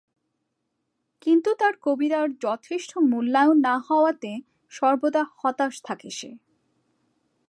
কিন্তু তার কবিতার যথেষ্ট মূল্যায়ন না হওয়াতে সর্বদা হতাশ থাকে সে।